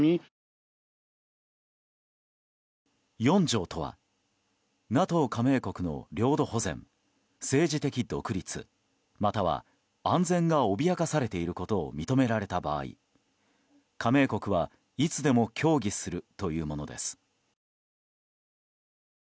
４条とはＮＡＴＯ加盟国の領土保全政治的独立、または安全が脅かされていることを認められた場合加盟国はいつでも協議するというものです。